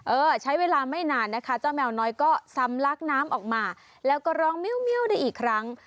เออใช้เวลาไม่นานนะคะเจ้าแมวน้อยก็สำลักน้ำออกมาแล้วก็ร้องเมียวได้อีกครั้ง